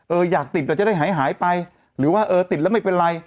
อยากติดเราจะได้หายหายไปหรือว่าเออติดแล้วไม่เป็นไร